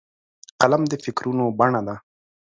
قلم د فکرونو بڼه ده